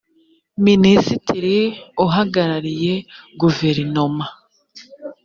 minisitiri uhagarariye guverinoma